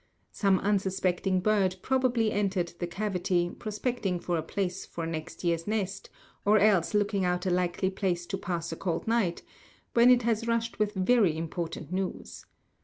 Some unsuspecting bird probably entered the cavity, prospecting for a place for next year's nest, or else looking out a likely place to pass a cold night, when it has rushed with very important news.